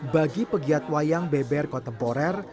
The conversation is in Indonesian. bagi pegiat wayang beber kontemporer